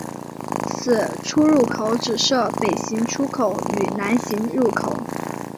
此出入口只设北行出口与南行入口。